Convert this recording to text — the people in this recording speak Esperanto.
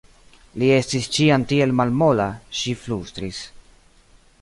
Li estis ĉiam tiel malmola, ŝi flustris.